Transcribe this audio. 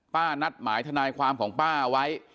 นัดหมายทนายความของป้าไว้